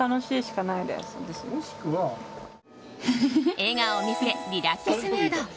笑顔を見せ、リラックスムード。